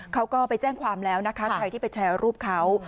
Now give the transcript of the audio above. เขาก็ไปแจ้งความแล้วนะคะใครที่ไปแชร์รูปเขา